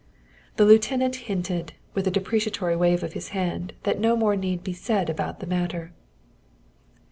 The lieutenant hinted, with a deprecatory wave of his hand, that no more need be said about the matter.